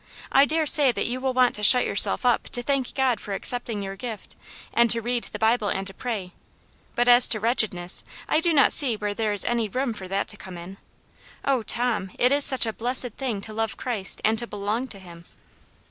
I daresay that you will want to shut yourself up to tliank God for accepting your gift, and to read the Bible and to pray; but as to wretchedness, I do not see where there is any room for that to come in. Oh, Tom, it is such a blessed thing to love Christ and to belong to him."